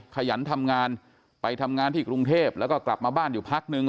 ขยันทำงานไปทำงานที่กรุงเทพแล้วก็กลับมาบ้านอยู่พักนึง